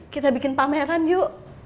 kita bikin pameran yuk